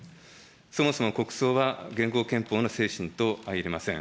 そもそも国葬は現行憲法の精神と相容れません。